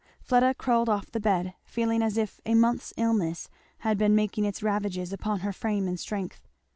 Fleda crawled off the bed, feeling as if a month's illness had been making its ravages upon her frame and strength.